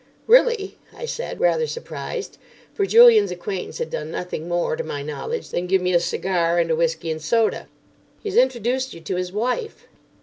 "Really," I said, rather surprised, for Julian's acquaintance had done nothing more, to my knowledge, than give me a cigar and a whiskey and soda. "He's introduced you to his wife."